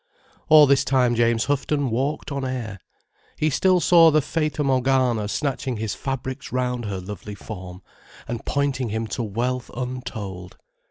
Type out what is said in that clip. All this time James Houghton walked on air. He still saw the Fata Morgana snatching his fabrics round her lovely form, and pointing him to wealth untold.